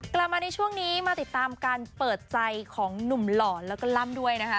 กลับมาในช่วงนี้มาติดตามการเปิดใจของหนุ่มหล่อแล้วก็ล่ำด้วยนะคะ